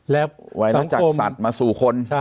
แล้วสังคมไวรัสจากสัตว์มาสู่คน